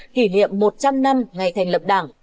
kỷ niệm một trăm linh năm ngày thành lập đảng